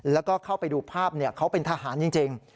แล้วก็เข้าไปดูภาพเขาเป็นทหารจริง